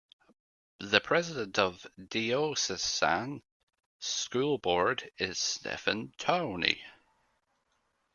The President of the Diocesan School Board is Stephen Towne.